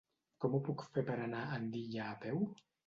Com ho puc fer per anar a Andilla a peu?